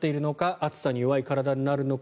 暑さに弱い体になるのか。